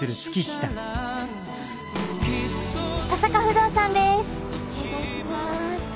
登坂不動産です。